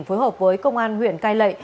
phối hợp với công an huyện cai lệ